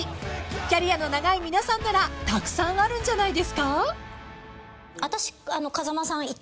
［キャリアの長い皆さんならたくさんあるんじゃないですか？］